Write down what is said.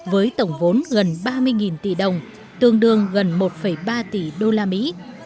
với tổng vốn gần ba mươi tỷ đồng tương đương gần một ba tỷ đô la mỹ